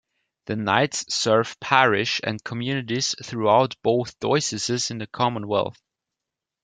The Knights serve parish and communities throughout both dioceses in the Commonwealth.